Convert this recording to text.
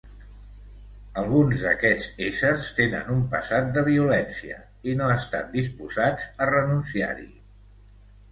Alguns d'aquests éssers tenen un passat de violència, i no estan disposats a renunciar-hi.